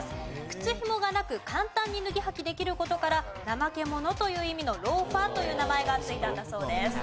靴ひもがなく簡単に脱ぎ履きできる事から怠け者という意味のローファーという名前が付いたんだそうです。